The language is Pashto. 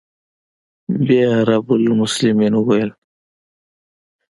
بيا يې رب المسلمين وويل.